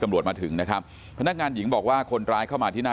มาถึงนะครับพนักงานหญิงบอกว่าคนร้ายเข้ามาที่หน้า